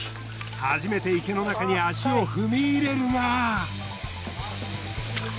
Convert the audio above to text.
初めて池の中に足を踏み入れるが。